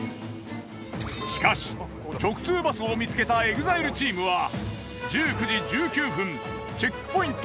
しかし直通バスを見つけたＥＸＩＬＥチームは１９時１９分チェックポイント